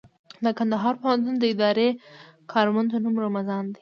د کندهار پوهنتون د اداري کارمند نوم رمضان دئ.